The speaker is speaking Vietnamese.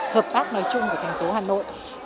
hợp tác nói chung của thành phố hà nội